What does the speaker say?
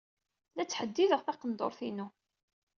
La ttḥeddideɣ taqendurt-inu.